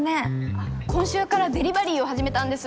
あっ今週からデリバリーを始めたんです。